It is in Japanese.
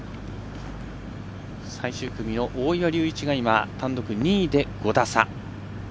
最終組の大岩龍一が今単独２位で５打差。